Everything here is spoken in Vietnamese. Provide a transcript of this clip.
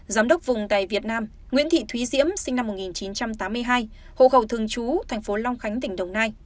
giám đốc vùng tài việt nam nguyễn thị thúy diễm sinh năm một nghìn chín trăm tám mươi hai hộ khẩu thường chú tp long khánh tỉnh đồng nai